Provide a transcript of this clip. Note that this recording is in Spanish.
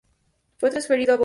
Fue transferido a Boca Juniors.